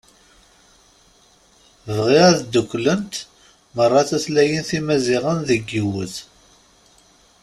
Bɣi ad dduklent meṛṛa tutlayin timaziɣen deg yiwet.